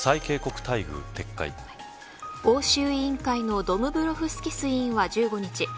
欧州委員会のドムブロフスキス委員は１５日